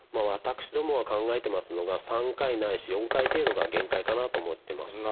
私どもが考えてますのが３回ないし４回程度が限界かなと思ってます。